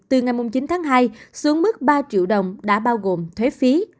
từ ngày chín tháng hai xuống mức ba triệu đồng đã bao gồm thuế phí